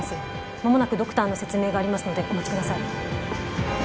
間もなくドクターの説明がありますのでお待ちください。